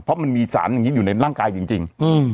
เพราะมันมีสารอย่างนี้อยู่ในร่างกายจริง